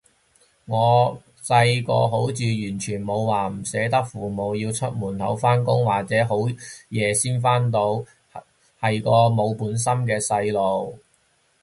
我細個好似完全冇話唔捨得父母要出門口返工或者好夜先返到，係個冇本心嘅細路